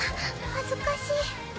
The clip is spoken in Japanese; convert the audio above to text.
恥ずかしい。